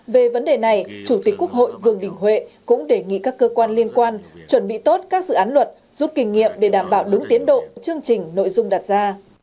về vấn đề này chủ tịch quốc hội vương đình huệ cũng đề nghị các cơ quan liên quan chuẩn bị tốt các dự án luật rút kinh nghiệm để đảm bảo đúng tiến độ chương trình nội dung đặt ra